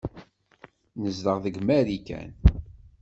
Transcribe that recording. Nezdeɣ deg Marikan.